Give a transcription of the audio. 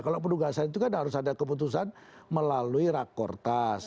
kalau penugasan itu kan harus ada keputusan melalui rakortas